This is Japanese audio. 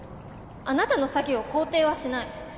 あなたの詐欺を肯定はしない